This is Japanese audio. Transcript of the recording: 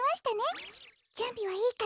じゅんびはいいかな？